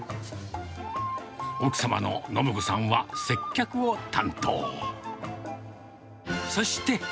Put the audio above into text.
奥様の信子さんは接客を担当。